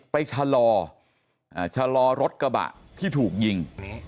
ชะลอชะลอรถกระบะที่ถูกยิง